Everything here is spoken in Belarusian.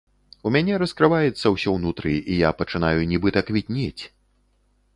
У мяне раскрываецца ўсё ўнутры і я пачынаю нібыта квітнець!